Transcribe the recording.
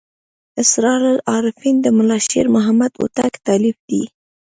اسرار العارفین د ملا شیر محمد هوتک تألیف دی.